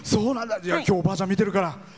きょう、おばあちゃん見てるから。